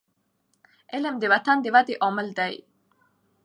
علم د وطن د ودي عامل دی.